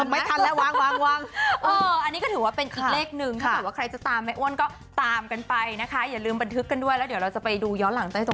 ไม่ทันแล้ววางวางวางอันนี้ก็ถือว่าเป็นอีกเลขหนึ่ง